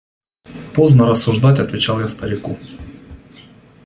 – Поздно рассуждать, – отвечал я старику.